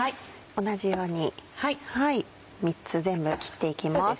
同じように３つ全部切っていきます。